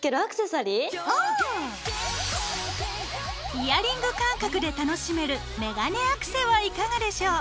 イヤリング感覚で楽しめるメガネアクセはいかがでしょう？